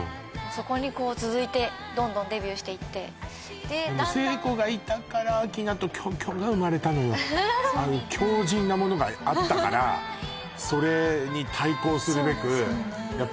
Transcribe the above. そこにこう続いてどんどんデビューしていってだんだん聖子がいたから明菜とキョンキョンが生まれたのよああいう強靱なものがあったからそれに対抗するべくそうですよね